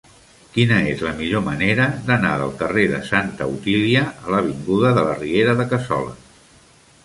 Quina és la millor manera d'anar del carrer de Santa Otília a l'avinguda de la Riera de Cassoles?